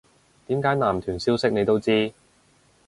點解男團消息你都知